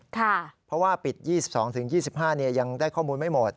เพราะว่าปิด๒๒๒๕ยังได้ข้อมูลไม่หมด